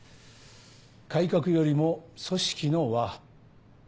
改革よりも組織の和。